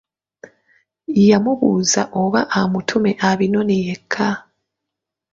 Yamubuuza oba amutume abinone yekka.